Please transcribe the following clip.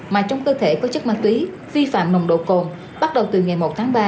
mà trong cơ thể có chất ma túy vi phạm nồng độ cồn bắt đầu từ ngày một tháng ba